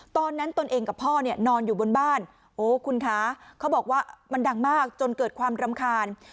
ตนเองกับพ่อเนี่ยนอนอยู่บนบ้านโอ้คุณคะเขาบอกว่ามันดังมากจนเกิดความรำคาญ